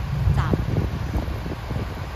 雜丸